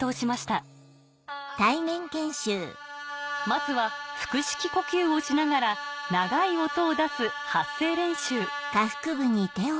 まずは腹式呼吸をしながら長い音を出す発声練習あ。